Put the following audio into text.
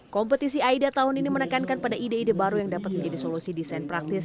kompetisi aida tahun ini menekankan pada ide ide baru yang dapat menjadi solusi desain praktis